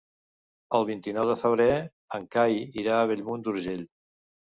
El vint-i-nou de febrer en Cai irà a Bellmunt d'Urgell.